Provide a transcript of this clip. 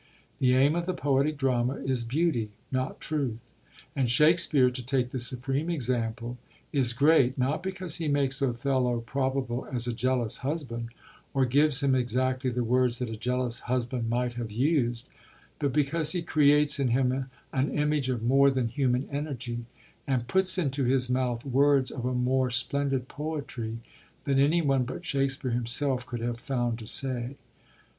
The aim of the poetic drama is beauty, not truth; and Shakespeare, to take the supreme example, is great, not because he makes Othello probable as a jealous husband, or gives him exactly the words that a jealous husband might have used, but because he creates in him an image of more than human energy, and puts into his mouth words of a more splendid poetry than any one but Shakespeare himself could have found to say.